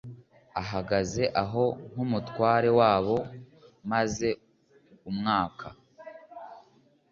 ahagaze aho nk umutware wabo maze umwuka